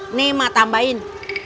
ini mak tambahin